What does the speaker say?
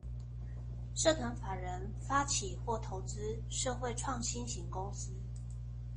社團法人發起或投資社會創新型公司